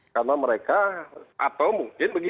karena mereka atau mungkin begini